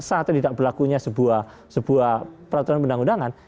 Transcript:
saat tidak berlakunya sebuah peraturan undang undangan